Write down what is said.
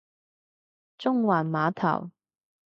中環碼頭